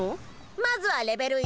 まずはレベル１。